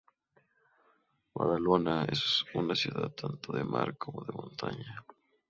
Badalona es una ciudad tanto de mar como de montaña.